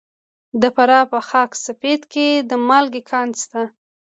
د فراه په خاک سفید کې د مالګې کان شته.